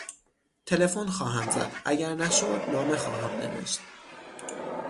تلفن خواهم زد، اگر نشد، نامه خواهم نوشت.